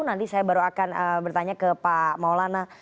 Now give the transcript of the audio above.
nanti saya baru akan bertanya ke pak maulana